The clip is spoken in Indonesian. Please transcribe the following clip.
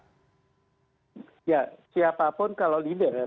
ya siapapun kalau leader